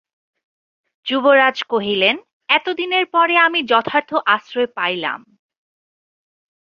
যুবরাজ কহিলেন, এতদিনের পরে আমি যথার্থ আশ্রয় পাইলাম।